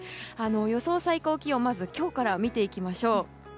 予想最高気温今日から見ていきましょう。